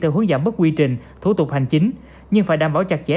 theo hướng giảm bớt quy trình thủ tục hành chính nhưng phải đảm bảo chặt chẽ